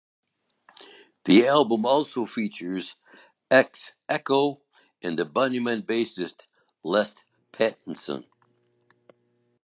The album also features ex Echo and The Bunnymen bassist, Les Pattinson.